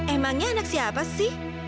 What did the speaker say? emangnya anak siapa sih